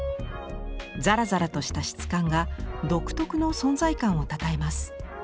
ざらざらとした質感が独特の存在感をたたえます。